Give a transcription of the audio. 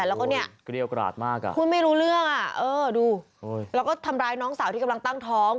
แล้วก็เนี่ยคุณไม่รู้เรื่องอ่ะดูแล้วก็ทำร้ายน้องสาวที่กำลังตั้งท้อง